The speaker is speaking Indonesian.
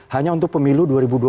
hanya untuk pemilu dua ribu dua puluh